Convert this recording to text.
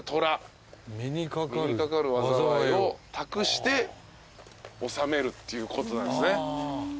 「身にかかる災いを託して納める」っていうことなんすね。